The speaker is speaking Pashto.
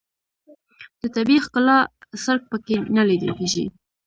د طبیعي ښکلا څرک په کې نه لیدل کېږي.